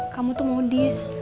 kamu tuh modis